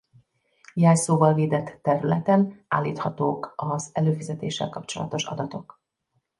Jelszóval védett területen állíthatók az előfizetéssel kapcsolatos adatok.